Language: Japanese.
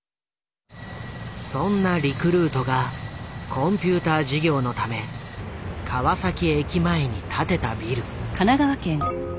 そんなリクルートがコンピューター事業のため川崎駅前に建てたビル。